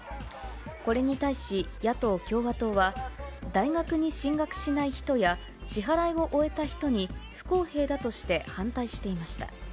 これに対し、野党・共和党は、大学に進学しない人や、支払いを終えた人に不公平だとして反対していました。